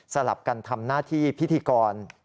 ลับกันทำหน้าที่พิธีกร